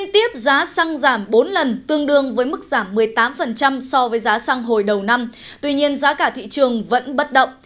tương đương với mức giảm một mươi tám so với giá sang hồi đầu năm tuy nhiên giá cả thị trường vẫn bất động